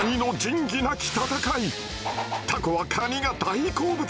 タコはカニが大好物。